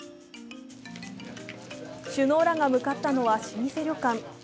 首脳らが向かったのは老舗旅館。